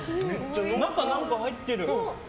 中、何か入ってる。